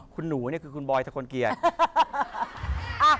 คุณหนูคือคุณบอยธกลเกียจ